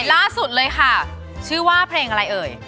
ล่าสุดเลยค่ะชื่อว่าเพลงอะไรเอ่ย